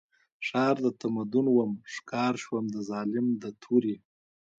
ښار د تمدن وم ښکار شوم د ظالم د تورې